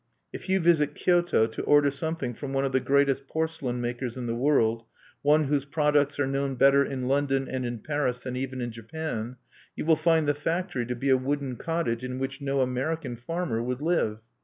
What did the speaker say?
If you visit Kyoto to order something from one of the greatest porcelain makers in the world, one whose products are known better in London and in Paris than even in Japan, you will find the factory to be a wooden cottage in which no American farmer would live.